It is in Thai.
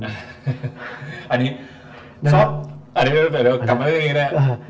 อันนี้อันนี้เดี๋ยวเดี๋ยวกลับมาเรื่องนี้ได้